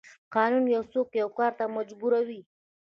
قانون یو څوک یو کار ته مجبوروي.